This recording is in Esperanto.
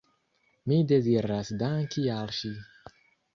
Mi deziras danki al ŝi.